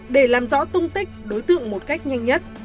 để làm rõ tung tích đối tượng một cách nhanh nhất